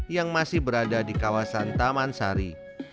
yang masih berada di kawasan taman sari